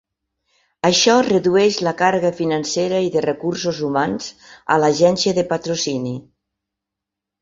Això redueix la càrrega financera i de recursos humans a l'agència de patrocini.